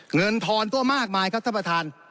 เงินทอนตัวมากมายครับท่านประธาน